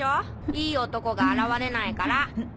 いい男が現れないから！